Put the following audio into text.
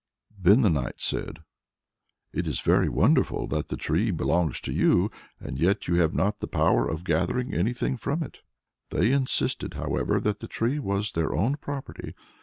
Then the knight said "It is very wonderful that the tree belongs to you, and yet you have not the power of gathering anything from it." They insisted, however, that the tree was their own property.